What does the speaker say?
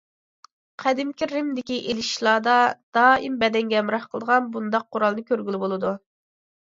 قەدىمكى رىمدىكى ئېلىشىشلاردا، دائىم بەدەنگە ھەمراھ قىلىدىغان بۇنداق قورالنى كۆرگىلى بولىدۇ.